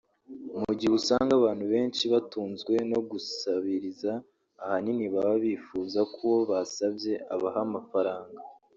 Mu gihe usanga abantu benshi batunzwe no gusabiriza ahanini baba bifuza ko uwo basabye abaha amafaranga